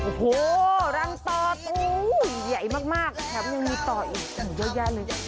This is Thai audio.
โอ้โหรังต่อใหญ่มากแถมยังมีต่ออีกเยอะแยะเลย